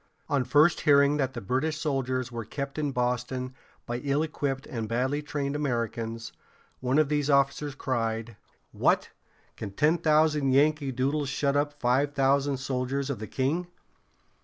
On first hearing that the British soldiers were kept in Boston by ill equipped and badly trained Americans, one of these officers cried: "What! can ten thousand Yankee Doodles shut up five thousand soldiers of the king?